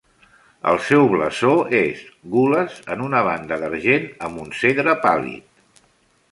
El seu blasó és "gules en una banda d'argent amb un cedre pàl·lid".